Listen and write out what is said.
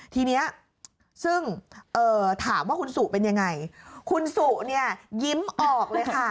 ทีนี้ซึ่งถามว่าคุณสุเป็นยังไงคุณสุเนี่ยยิ้มออกเลยค่ะ